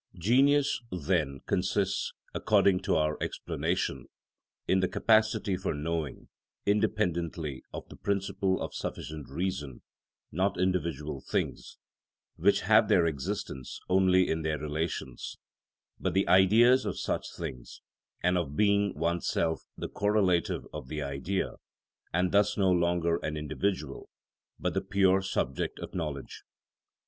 Genius, then, consists, according to our explanation, in the capacity for knowing, independently of the principle of sufficient reason, not individual things, which have their existence only in their relations, but the Ideas of such things, and of being oneself the correlative of the Idea, and thus no longer an individual, but the pure subject of knowledge.